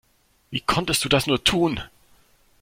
Wie konntest du das nur tun?